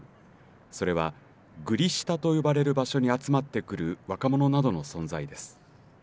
それはグリ下と呼ばれる場所に集まってくる若者などの存在です。